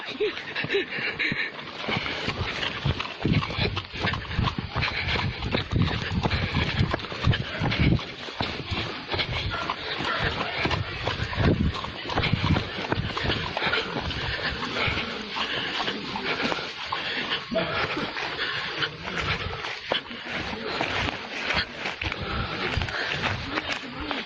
หนุ่มวิ่ง